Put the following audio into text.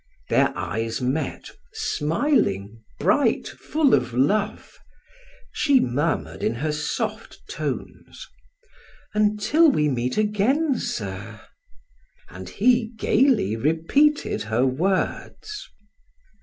Their eyes met, smiling, bright, full of love. She murmured in her soft tones: "Until we meet again, sir!" and he gaily repeated her words.